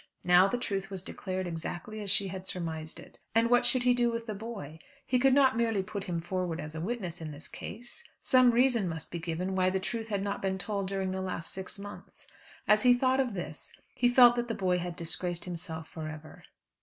Now the truth was declared exactly as she had surmised it. And what should he do with the boy? He could not merely put him forward as a witness in this case. Some reason must be given, why the truth had not been told during the last six months. As he thought of this, he felt that the boy had disgraced himself for ever.